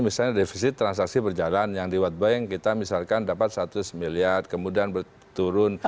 misalnya defisit transaksi berjalan yang di wattbank kita misalkan dapat seratus miliar kemudian berturun